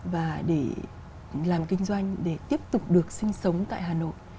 và để làm kinh doanh để tiếp tục được sinh sống tại hà nội